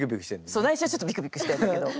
そう内心はちょっとビクビクしてるんだけど。